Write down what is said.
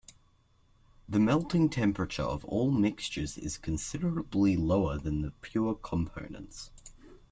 The melting temperature of all mixtures is considerably lower than the pure components.